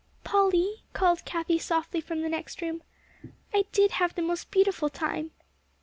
"Polly," called Cathie softly from the next room, "I did have the most beautiful time!"